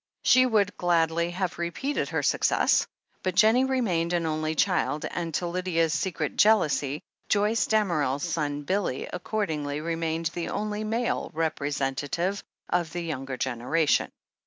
She would gladly have repeated her success, but Jennie remained an only child, and, to Lydia's secret jealousy, Joyce Damerel's son Billy accordingly re mained the only male representative of the younger generation.